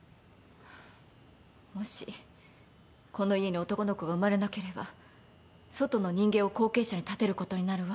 もしこの家に男の子が生まれなければ外の人間を後継者に立てることになるわ。